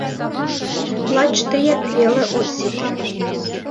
— Лач тыяк веле от сите.